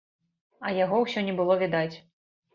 А яго ўсё не было відаць.